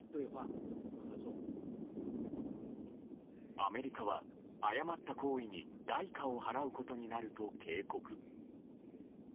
アメリカは誤った行為に代価を払うことになると警告。